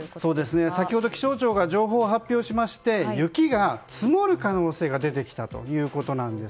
先ほど気象庁が情報を発表しまして雪が積もる可能性が出てきたということです。